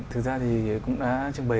thực ra thì cũng đã trưng bày